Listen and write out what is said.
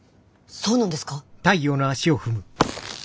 そうなんですか？